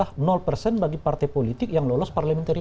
jadi bukan partai yang sama sekali tidak dapat kursi dpr itu boleh mencalonkan